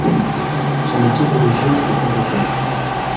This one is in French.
Son métier d'origine est avocat.